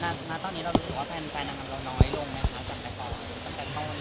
แล้วตอนนี้เรารู้สึกว่าแฟนคลับเราน้อยลงไหมคะจากแบบก่อนหรือตั้งแต่เท่าวันนี้